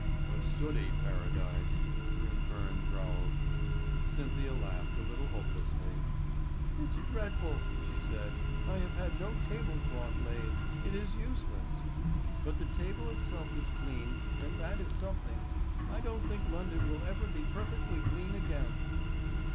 "A sooty paradise," Grimfern growled. Cynthia laughed a little hopelessly. "It's dreadful," she said. "I have had no table cloth laid, it is useless. But the table itself is clean, and that is something. I don't think London will ever be perfectly clean again."